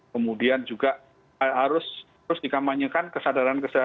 kemudian juga harus dikambanyakan kesadaran kesadaran